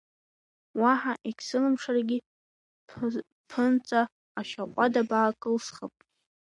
Уаҳа егьсылымшаргьы, бԥынҵа ашьаҟәадабаа кылсхып!